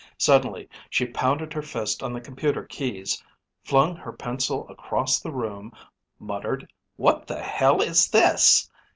Suddenly she pounded her fist on the computer keys, flung her pencil across the room, muttered, "What the hell is this!"